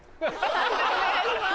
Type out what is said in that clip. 判定お願いします。